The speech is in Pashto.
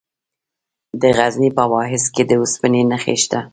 د غزني په واغظ کې د اوسپنې نښې شته.